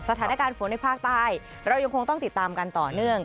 สถานการณ์ฝนในภาคใต้เรายังคงต้องติดตามกันต่อเนื่อง